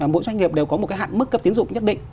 mỗi doanh nghiệp đều có một cái hạn mức cấp tiến dụng nhất định